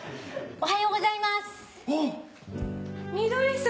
おはようございます。